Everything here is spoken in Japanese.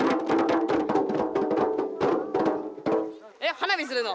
花火するの。